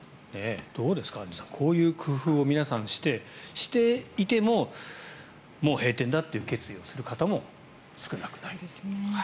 どうですかアンジュさんこういう工夫を皆さんしていてももう閉店だという決意をする方も少なくない。